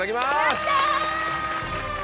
やった！